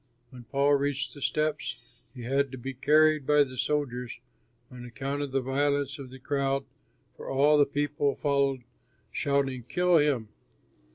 When Paul reached the steps, he had to be carried by the soldiers on account of the violence of the crowd, for all the people followed, shouting, "Kill him!"